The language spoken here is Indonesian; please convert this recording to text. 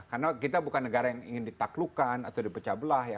karena kita bukan negara yang ingin ditaklukkan atau dipecah belah ya